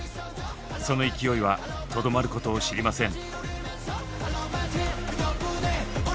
その勢いはとどまることを知りません。